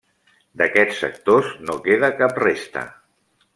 D'aquests sectors no queda cap resta.